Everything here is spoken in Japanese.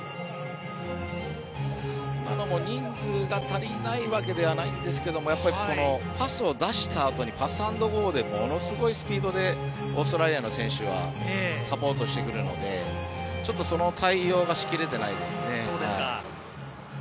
今のも人数が足りないわけではないんですがやっぱりパスを出したあとにパスアンドゴーでものすごいスピードでオーストラリアの選手はサポートしてくるので、ちょっとその対応がしきれてないですね。